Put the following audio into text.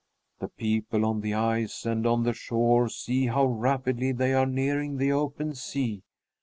The people on the ice and on the shore see how rapidly they are nearing the open sea.